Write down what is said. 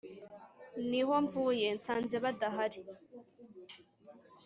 - ni ho mvuye. nsanze badahari